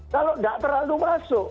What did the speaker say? kalau enggak terlalu masuk